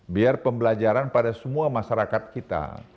biar pembelajaran pada semua masyarakat kita